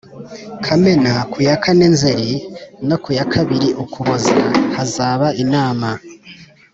Kamena ku yakane Nzeri no ku ya kabiri ukuboza hazaba inama